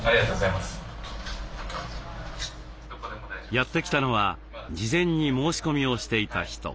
やって来たのは事前に申し込みをしていた人。